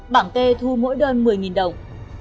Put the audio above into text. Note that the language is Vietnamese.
bảng kê thu mỗi đơn một mươi đồng